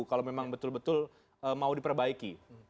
kalau memang betul betul mau diperbaiki